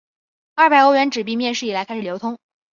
二百欧元纸币面世以来开始流通。